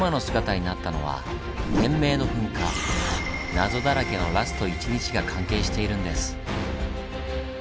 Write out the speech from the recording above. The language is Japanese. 謎だらけのラスト１日が関係しているんです。